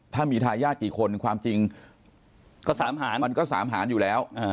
ถ้ามีทายาทกี่คนความจริงก็สามหานอยู่แล้ว